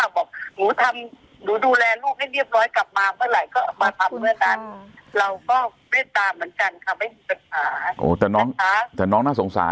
คุยกับเขาคือผมทำดูแลลูกให้เนียบอ่อย